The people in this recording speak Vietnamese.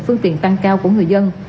phương tiện tăng cao của người dân